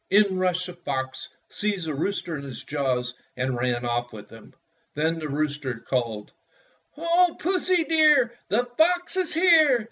In rushed the fox, seized the rooster in his jaws, and ran off with him. Then the rooster called: — "O Pussy, dear, The fox is here!